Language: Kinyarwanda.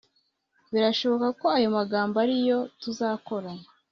birashoboka ko ayo magambo ari ayo utazakora